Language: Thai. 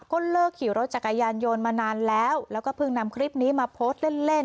ก็เลิกขี่รถจักรยานยนต์มานานแล้วแล้วก็เพิ่งนำคลิปนี้มาโพสต์เล่นเล่น